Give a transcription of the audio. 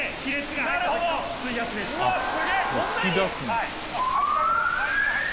はい。